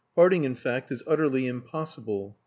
Parting, in fact, is utterly impossible.